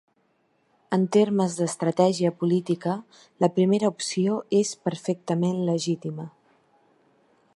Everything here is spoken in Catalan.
En termes d’estratègia política, la primera opció és perfectament legítima.